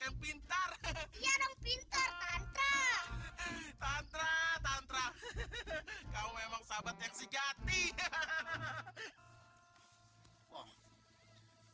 yang pintar ya dong pintar tantra tantra tantra hehehe kamu memang sahabat yang si gati hahaha